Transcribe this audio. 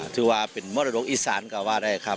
ถือว่าเป็นมรดกอีสานก็ว่าได้ครับ